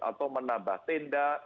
atau menambah tenda